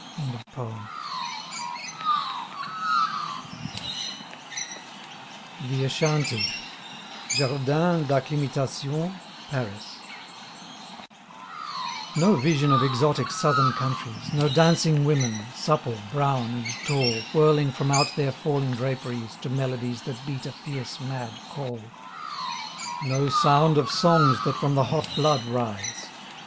26 THE ASHANTEE (Jardin d'AccIimatation, Paris) No vision of exotic southern countries. No dancing women, supple, brown and tall Whirling from out their falling draperies To melodies that beat a fierce mad call; No sound of songs that from the hot blood rise.